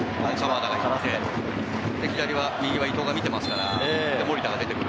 右は伊藤が見ていますから、そして守田が出てくる。